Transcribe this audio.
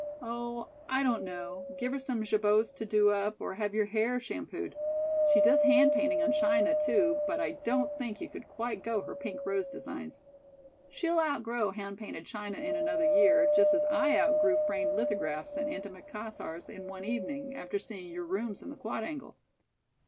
"Oh, I don't know. Give her some jabots to do up or have your hair shampooed. She does hand painting on china, too, but I don't think you could quite go her pink rose designs. She'll out grow hand painted china in another year, just as I outgrew framed lithographs and antimacassars in one evening, after seeing your rooms in the Quadrangle."